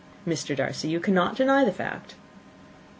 Mr. Darcy, you cannot deny the fact."